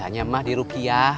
biasanya mah di rukiah